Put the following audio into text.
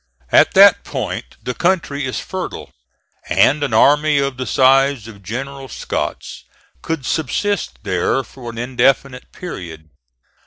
At that point the country is fertile, and an army of the size of General Scott's could subsist there for an indefinite period.